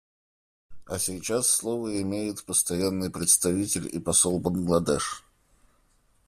А сейчас слово имеет Постоянный представитель и посол Бангладеш.